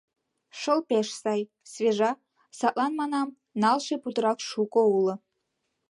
Шыл пеш сай, свежа, садлан, манам, налше путырак шуко уло.